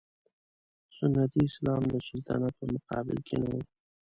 سنتي اسلام د سلطنت په مقابل کې نه و.